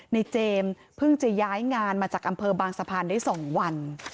เจมส์เพิ่งจะย้ายงานมาจากอำเภอบางสะพานได้๒วัน